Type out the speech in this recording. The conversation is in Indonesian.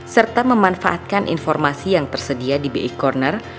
serta memanfaatkan informasi yang tersedia di bi corner